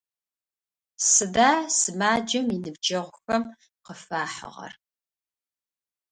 Сыда сымаджэм иныбджэгъухэм къыфахьыгъэр?